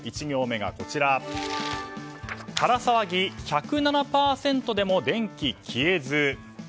１行目はカラ騒ぎ１０７％でも電気消えず。